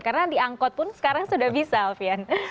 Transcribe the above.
karena di angkot pun sekarang sudah bisa fian